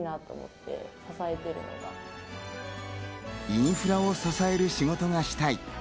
インフラを支える仕事がしたい。